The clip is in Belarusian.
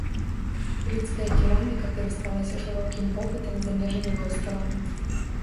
Крыцкая кераміка карысталася шырокім попытам за межамі вострава.